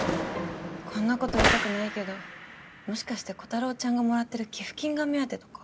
こんな事言いたくないけどもしかしてコタローちゃんがもらってる寄付金が目当てとか？